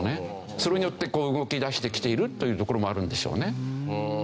それによって動き出してきているというところもあるんでしょうね。